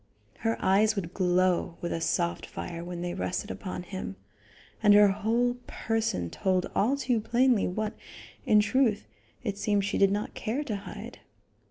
Her eyes would glow with a soft fire when they rested upon him, and her whole person told all too plainly what, in truth, it seemed she did not care to hide.